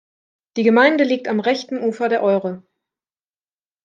Die Gemeinde liegt am rechten Ufer der Eure.